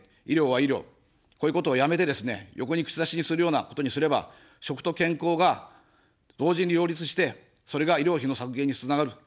こういうことをやめてですね、横に串刺しにするようなことにすれば、食と健康が同時に両立して、それが医療費の削減につながる。